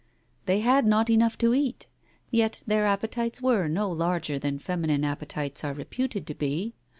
They had not enough to eat. Yet their appetites were no larger than feminine appetites are reputed to be.